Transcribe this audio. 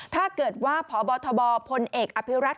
ถ้าเกิดว่าพบทบพลเอกอภิรัต